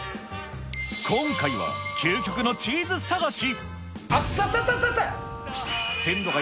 今回は究極のチーズ探し。